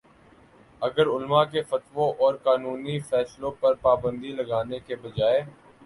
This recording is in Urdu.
اگر علما کے فتووں اور قانونی فیصلوں پر پابندی لگانے کے بجائے